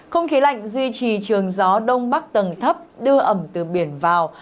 không khí lạnh duy trì trường gió đông bắc tầng thấp đưa ẩm từ biển vào